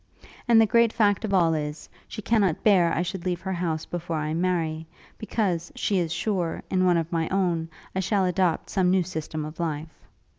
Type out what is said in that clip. And the great fact of all is, she cannot bear I should leave her house before I marry, because, she is sure, in one of my own, I shall adopt some new system of life.